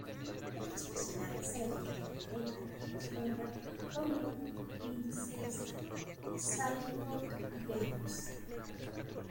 Otros personajes se refieren a ella en esta forma como la Princesa Sailor Venus.